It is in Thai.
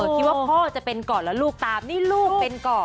คิดว่าพ่อจะเป็นก่อนแล้วลูกตามนี่ลูกเป็นก่อน